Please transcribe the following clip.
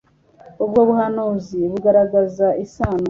Ubwo buhanuzi bugaragaza isano